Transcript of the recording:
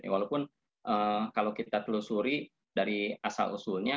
walaupun kalau kita telusuri dari asal usulnya